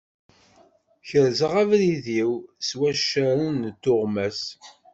Kerzeɣ abrid-iw s waccaren d tuɣmas.